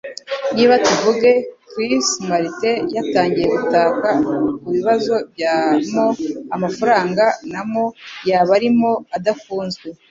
Niba, tuvuge, Chris Martin yatangiye gutaka kubibazo bya mo 'amafaranga na mo', yaba ari mo 'adakunzwe.